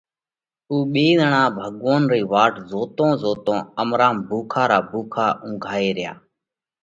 ُو ٻيئي زڻا ڀڳوونَ رئِي واٽ زوتون زوتون امرام ڀُوکا را ڀُوکا اُنگھائي ريا۔